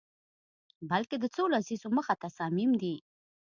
بلکه د څو لسیزو مخه تصامیم دي